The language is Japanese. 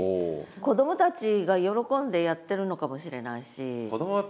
子どもたちが喜んでやってるのかもしれないし。